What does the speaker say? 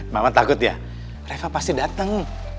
mama takut ya mereka pasti datang